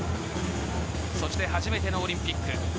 そして、初めてのオリンピック。